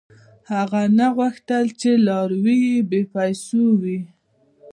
• هغه نه غوښتل، چې لاروي یې بېپېسو وي.